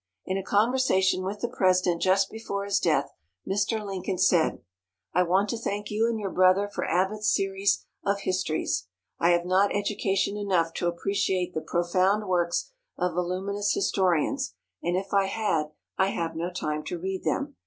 In a conversation with the President just before his death, Mr. Lincoln said: "_I want to thank you and your brother for Abbotts' Series of Histories. I have not education enough to appreciate the profound works of voluminous historians; and if I had, I have no time to read them.